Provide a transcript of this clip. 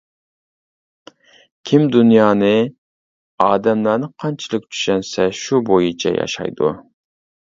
كىم دۇنيانى، ئادەملەرنى قانچىلىك چۈشەنسە شۇ بويىچە ياشايدۇ.